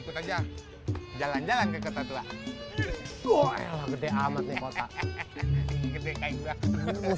punya banyak bener bener dengan menjadikan